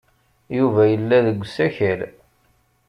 Yuba yella deg usakal.